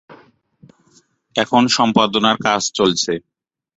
এখন সম্পাদনার কাজ চলছে।